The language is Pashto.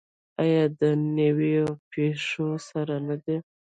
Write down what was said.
آیا د نویو پیښو سره نه دی؟